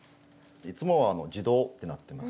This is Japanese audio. いつもは「自動」ってなってます。